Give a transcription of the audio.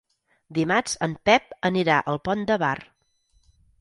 Dimarts en Pep anirà al Pont de Bar.